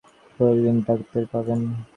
কয়েক দিন যাক টের পাবেন।